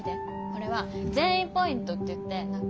これは善意ポイントっていって。